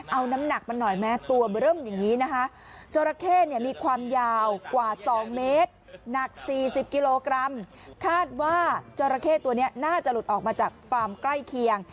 เอาน้ำหนักมันหน่อยแม้ตัวเริ่มอย่างนี้นะคะจราเข้เนี่ยมีความยาวกว่า๒เมตรหนัก๔๐กิโลกรัมคาดว่าจราเข้ตัวนี้น่าจะหลุดออกมาจากฟาร์มใกล้เคียง